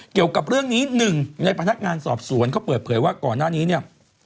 เกี่ยวกับเรื่องนี้หนึ่งในพนักงานสอบสวนเขาเปิดเผยว่าก่อนหน้านี้เนี่ย